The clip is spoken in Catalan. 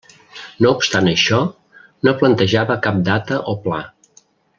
No obstant això, no plantejava cap data o pla.